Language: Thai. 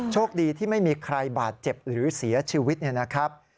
โชคดีที่ไม่มีใครบาดเจ็บหรือเสียชีวิตเนี่ยนะครับ